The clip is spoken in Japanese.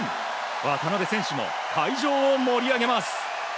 渡邊選手も会場を盛り上げます。